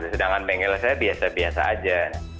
sedangkan bengkel saya biasa biasa aja